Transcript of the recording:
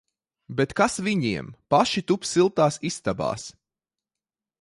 Bet kas viņiem! Paši tup siltās istabās!